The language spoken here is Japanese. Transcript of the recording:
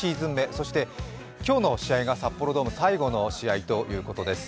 そして今日の試合が札幌ドーム、最後の試合ということです。